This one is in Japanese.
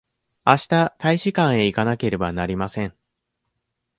あした大使館へ行かなければなりません。